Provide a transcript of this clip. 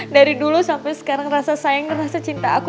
dari dulu sampai sekarang rasa sayang rasa cinta aku